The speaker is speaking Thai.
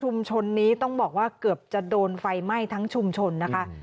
นี้ต้องบอกว่าเกือบจะโดนไฟไหม้ทั้งชุมชนนะคะ